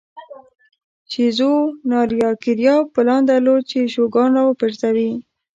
شیزو ناریاکیرا پلان درلود چې شوګان را وپرځوي.